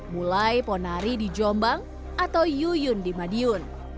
mulai ponari di jombang atau yuyun di madiun